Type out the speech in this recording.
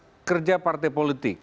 dan yang ketiga faktor kerja politik